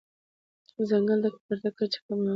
ځنګل د ککړتیا کچه کموي.